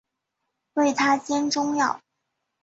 为她煎中药